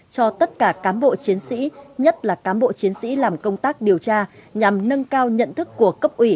cho tất cả cán bộ chiến sĩ nhất là cán bộ chiến sĩ làm công tác điều tra nhằm nâng cao nhận thức của cấp ủy